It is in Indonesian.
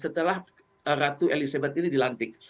setelah ratu elizabeth ini dilantik